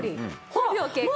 ５秒経過。